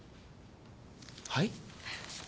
はい？